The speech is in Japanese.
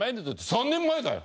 「３年前だよ！」。